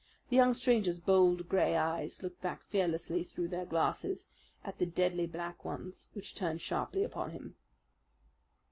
The young stranger's bold gray eyes looked back fearlessly through their glasses at the deadly black ones which turned sharply upon him.